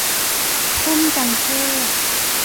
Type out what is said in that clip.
พุ่มกัณฑ์เทศน์